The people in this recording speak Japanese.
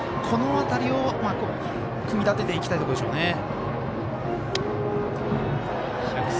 この辺りを組み立てていきたいところでしょうね。